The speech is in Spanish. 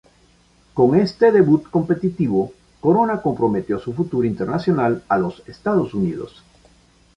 Con este debut competitivo, Corona comprometió su futuro internacional a los Estados Unidos.